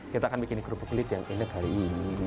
kita akan bikin kerupuk kulit yang indah kali ini